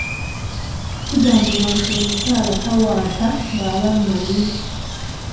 Kigambibwa nti omukyala tawaata ng'alannamye.